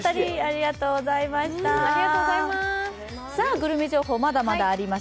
グルメ情報、まだまだあります。